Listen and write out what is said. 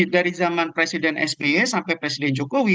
dari zaman presiden sby sampai presiden jokowi